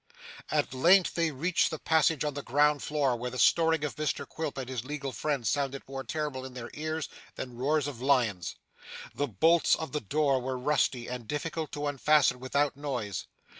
At last they reached the passage on the ground floor, where the snoring of Mr Quilp and his legal friend sounded more terrible in their ears than the roars of lions. The bolts of the door were rusty, and difficult to unfasten without noise.